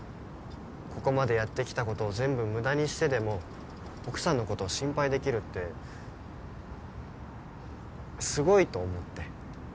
ここまでやってきたことを全部無駄にしてでも奥さんのことを心配できるってすごいと思って。